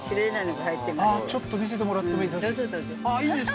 ちょっと見せてもらってもいいんですか？